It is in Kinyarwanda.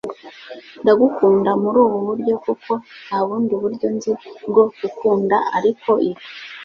Ndagukunda murubu buryo kuko nta bundi buryo nzi bwo gukunda ariko ibi,